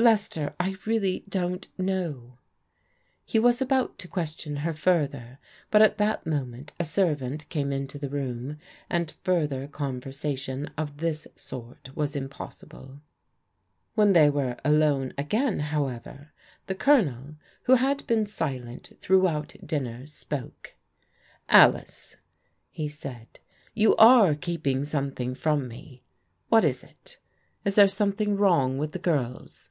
"" Lester, I really don't know." He was about to question her further, but at that mo ment a servant came into the room, and further conver sation of this sort was impossible. When they were akme again, however, the Colonel, who had been silent throughout dinner, spoke. "Alice," he said, "you are keeping something from me; what is it? Is there something wrong with the girls?"